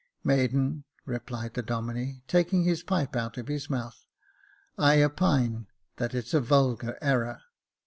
" Maiden," replied the Domine, taking his pipe out of his mouth, " I opine that it's a vulgar error.